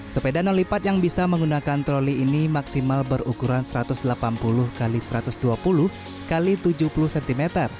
sepeda non lipat yang bisa menggunakan troli ini maksimal berukuran satu ratus delapan puluh x satu ratus dua puluh x tujuh puluh cm